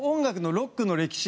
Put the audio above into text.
「ロックの歴史」。